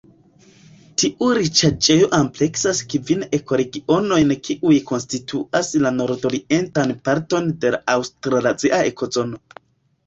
Tiu riĉaĵejo ampleksas kvin ekoregionojn kiuj konstituas la nordorientan parton de la aŭstralazia ekozono.